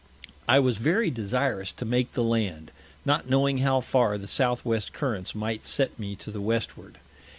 I was very desirous to make the Land, not knowing how far the Southwest Currents might set me to the Westward.